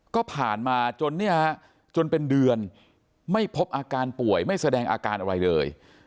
ก็ผ่านมาจนเนี่ยจนเป็นเดือนไม่พบอาการป่วยไม่แสดงอาการอะไรเลย